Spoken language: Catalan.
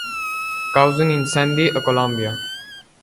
Causi un incendi a Colòmbia.